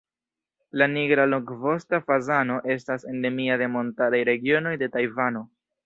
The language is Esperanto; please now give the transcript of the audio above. La Nigra longvosta fazano estas endemia de montaraj regionoj de Tajvano.